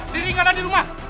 lirik gak ada di rumah